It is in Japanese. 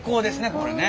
これね。